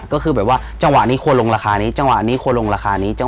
ก็คือแบบว่าจังหวะนี้ควดลงราคานี้